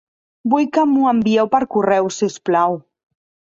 Vull que m'ho envieu per correu, si us plau.